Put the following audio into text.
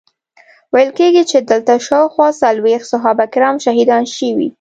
ویل کیږي چې دلته شاوخوا څلویښت صحابه کرام شهیدان شوي.